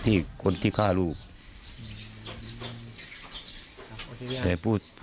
แต่ตอนนี้เขาไม่รู้ว่าจะเป็นคนใหญ่นะครับ